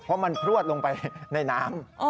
เพราะมันพลวดลงไปในน้ำ